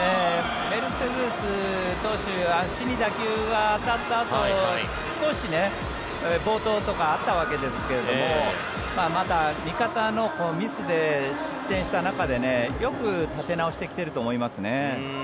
メルセデス投手足に打球が当たったあと少し暴投とかあったわけですけどまた味方のミスで失点した中でよく立て直してきていると思いますね。